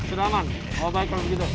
oh baik kalau begitu